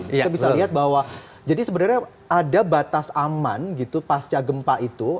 kita bisa lihat bahwa jadi sebenarnya ada batas aman gitu pasca gempa itu